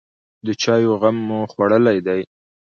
_د چايو غم مو خوړلی دی؟